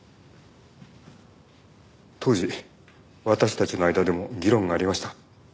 当時私たちの間でも議論がありました。